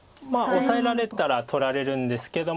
オサえられたら取られるんですけど